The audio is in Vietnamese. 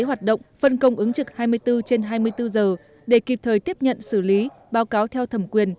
hoạt động phân công ứng trực hai mươi bốn trên hai mươi bốn giờ để kịp thời tiếp nhận xử lý báo cáo theo thẩm quyền